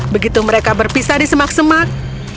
begitu mereka berpisah di semak semak